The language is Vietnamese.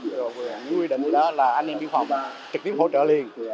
những quy định đó là anh em biên phòng trực tiếp hỗ trợ liền